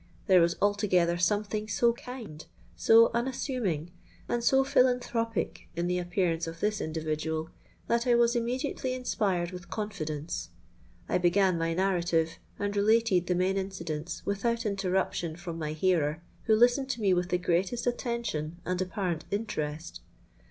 There was altogether something so kind, so unassuming, and so philanthropic in the appearance of this individual, that I was immediately inspired with confidence. I began my narrative, and related the main incidents, without interruption from my hearer, who listened to me with the greatest attention and apparent interest.